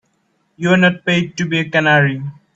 You're not paid to be a canary.